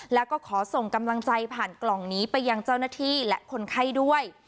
แล้วก็ขอส่งกำลังใจผ่านกล่องนี้ไปยังเจ้าหน้าที่และคนไข้ด้วย